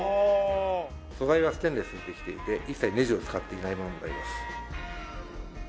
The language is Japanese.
素材はステンレスでできていて一切ネジを使っていないものになります。